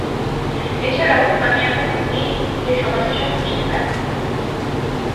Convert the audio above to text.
এছাড়াও আমি এমন মেয়ে যে সমাজের সাথে মিশতে পারে না।